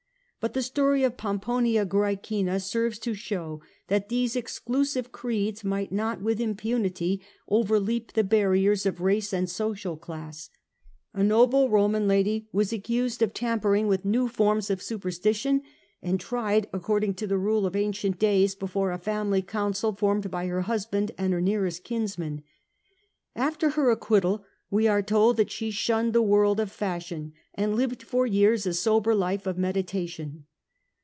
But the story of Pomponia Graecina serves to show that these exclusive creeds might not with impunity overleap the barriers of race and social class. A noble Roman lady was accused of tampering cH. VI The Empire and Christianity. 131 with new forms of superstition, and tried, according tc the rule of ancient days, before a family council formed by her husband and her nearest kinsmen. After her acquittal we are told that she shunned the world of fashion, and lived for years a sober life of meditation.